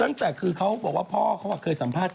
ตั้งแต่คือเขาบอกว่าพ่อเขาเคยสัมภาษณ์